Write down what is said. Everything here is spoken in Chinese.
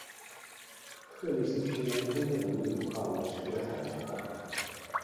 克里斯平原坑洞的密度大约是月海的一半。